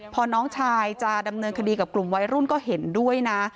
พอน้องชายจะดำเนินคดีกับกลุ่มวัยรุ่นก็เห็นด้วยนะ